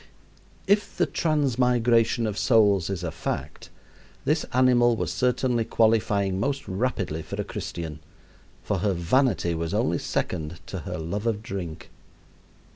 If the transmigration of souls is a fact, this animal was certainly qualifying most rapidly for a Christian, for her vanity was only second to her love of drink.